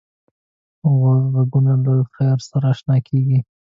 غوږونه له خیر سره اشنا کېږي